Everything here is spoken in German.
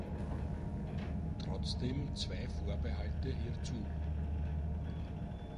Trotzdem zwei Vorbehalte hierzu.